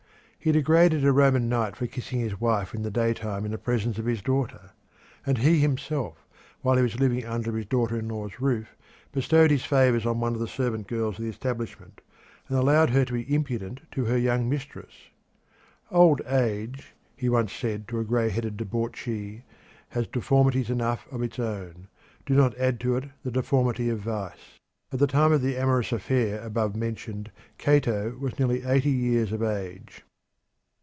He degraded a Roman knight for kissing his wife in the day time in the presence of his daughter, and he himself, while he was living under his daughter in law's roof, bestowed his favours on one of the servant girls of the establishment, and allowed her to be impudent to her young mistress. "Old age," he once said to a grey headed debauchee, "has deformities enough of its own. Do not add to it the deformity of vice." At the time of the amorous affair above mentioned Cato was nearly eighty years of age.